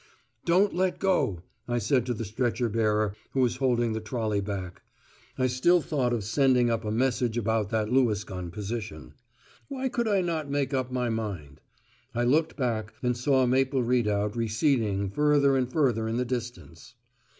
"Don't let go," I said to the stretcher bearer, who was holding the trolley back. I still thought of sending up a message about that Lewis gun position. Why could not I make up my mind? I looked back and saw Maple Redoubt receding further and further in the distance.